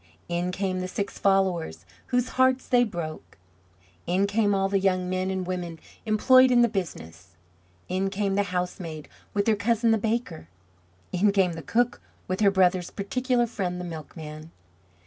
In came the six followers whose hearts they broke. In came all the young men and women employed in the business. In came the housemaid with her cousin the baker. In came the cook with her brother's particular friend the milkman.